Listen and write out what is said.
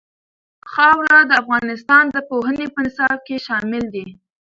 خاوره د افغانستان د پوهنې په نصاب کې شامل دي.